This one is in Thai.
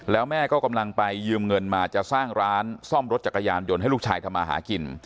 แล้วแม่ก็กำลังไปยืมเงินมาจะสร้างร้านซ่อมรถจักรยานยนต์ให้ลูกชายทำมาหากิน